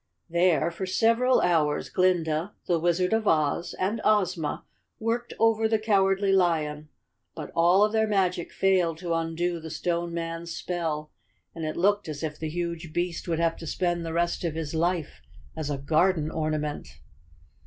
There, for several hours Glinda, the Wizard of Oz, and Ozma worked over the Cowardly Lion, but all of their magic failed to undo the Stone Man's spell, and it looked as if the huge beast would have to spend the rest of his life as a garden ornament.